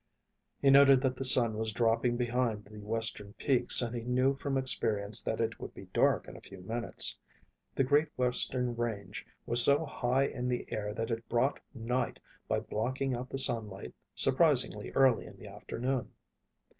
He noted that the sun was dropping behind the western peaks, and he knew from experience that it would be dark in a few minutes. The great western range was so high in the air that it brought night by blocking out the sunlight surprisingly early in the afternoon.